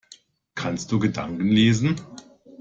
Kannst du Gedanken lesen?